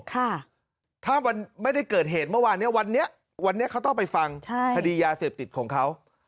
ถ้าวันไม่ได้เกิดเหตุเมื่อวานเนี้ยวันนี้วันนี้เขาต้องไปฟังคดียาเสพติดของเขา